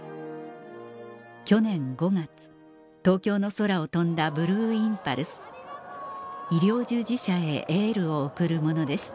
去年５月東京の空を飛んだブルーインパルス医療従事者へエールを送るものでした